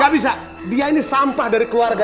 gak bisa dia ini sampah dari keluarga